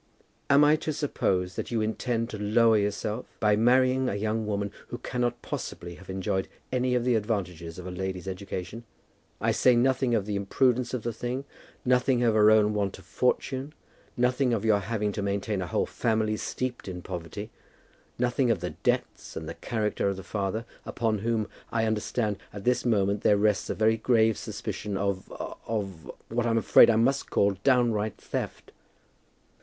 "Am I to suppose that you intend to lower yourself by marrying a young woman who cannot possibly have enjoyed any of the advantages of a lady's education? I say nothing of the imprudence of the thing; nothing of her own want of fortune; nothing of your having to maintain a whole family steeped in poverty; nothing of the debts and character of the father, upon whom, as I understand, at this moment there rests a very grave suspicion of of of what I'm afraid I must call downright theft."